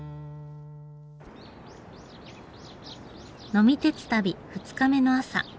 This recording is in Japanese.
呑み鉄旅二日目の朝。